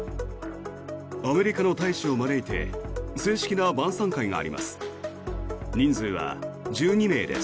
アメリカの大使を招いて正式な晩さん会があります。